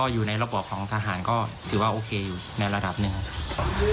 อยู่ในระบอบของทหารก็ถือว่าโอเคอยู่ในระดับหนึ่งครับ